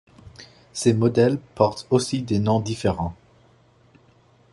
Ces modèles portent aussi des noms différents.